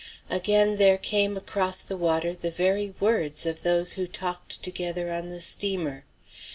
Again there came across the water the very words of those who talked together on the steamer.